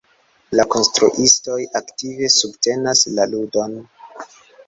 La konstruistoj aktive subtenas la ludon.